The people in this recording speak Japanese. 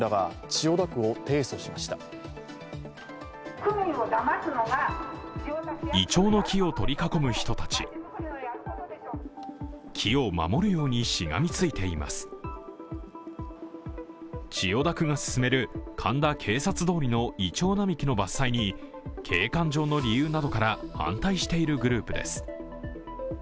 千代田区が進める神田警察通りのいちょう並木の伐採に景観上の理由などから反対しているグループです。